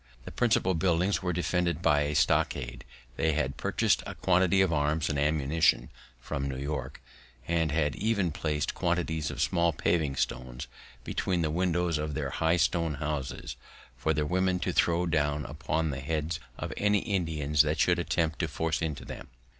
The principal buildings were defended by a stockade; they had purchased a quantity of arms and ammunition from New York, and had even plac'd quantities of small paving stones between the windows of their high stone houses, for their women to throw down upon the heads of any Indians that should attempt to force into them.